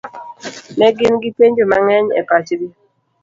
Ne gin gi penjo mang'eny e pachgi.